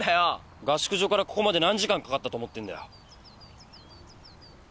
合宿所からここまで何時間かかったと思ってんだよ。